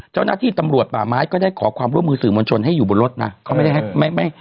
เจ้าหน้าที่ตำรวจป่าไม้ก็ได้ขอความร่วมมือสื่อมวลชนให้อยู่บนรถนะเขาไม่ได้ให้ไม่ไม่